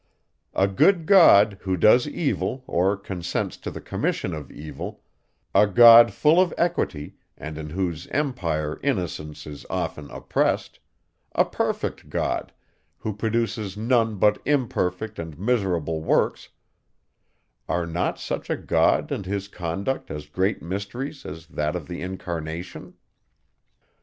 A good God, who does evil, or consents to the commission of evil; a God full of equity, and in whose empire innocence is often oppressed; a perfect God, who produces none but imperfect and miserable works; are not such a God and his conduct as great mysteries, as that of the incarnation?